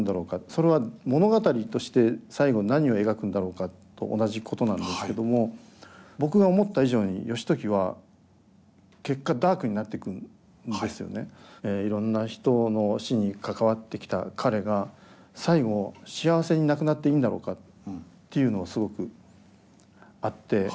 それは物語として最後に何を描くんだろうかと同じことなんですけども僕が思った以上に義時はいろんな人の死に関わってきた彼が最期幸せに亡くなっていいんだろうかっていうのをすごくあって。